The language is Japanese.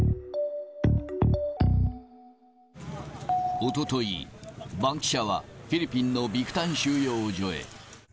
おととい、バンキシャはフィリピンのビクタン収容所へ。